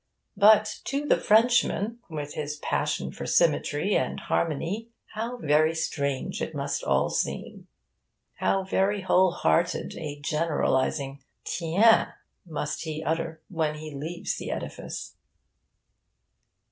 But to the Frenchman, with his passion for symmetry and harmony, how very strange it must all seem! How very whole hearted a generalising 'Tiens! must he utter when he leaves the edifice!